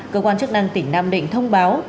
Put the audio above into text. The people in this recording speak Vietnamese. cơ quan chức năng tỉnh nam định thông báo